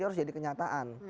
harus jadi kenyataan